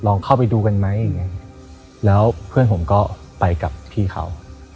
ลองเข้าไปดูกันไหมเพื่อนผมก็ไปกับพี่เขา